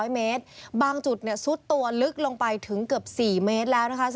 ๐เมตรบางจุดซุดตัวลึกลงไปถึงเกือบ๔เมตรแล้วนะคะ